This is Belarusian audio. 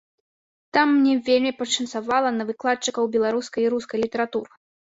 Там мне вельмі пашанцавала на выкладчыкаў беларускай і рускай літаратур.